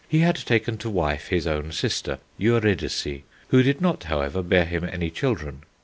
He had taken to wife his own sister, Euridice, who did not, however, bear him any children.